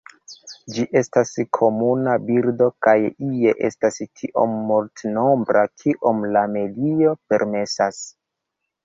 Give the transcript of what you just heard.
Ĝi estas komuna birdo kaj ie estas tiom multnombra kiom la medio permesas.